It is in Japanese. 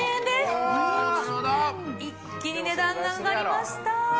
一気に値段が上がりました。